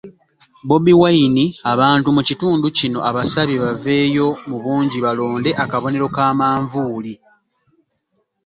Bobi Wine abantu mu kitundu kino abasabye baveeyo mu bungi balonde akabonero ka manvuuli.